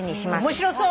面白そう！